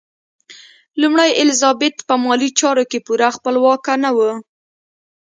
لومړۍ الیزابت په مالي چارو کې پوره خپلواکه نه وه.